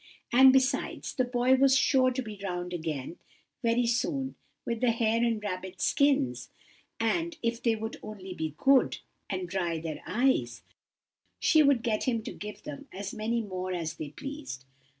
And, besides, the boy was sure to be round again very soon with the hare and rabbit skins; and if they would only be good, and dry their eyes, she would get him to give them as many more as they pleased.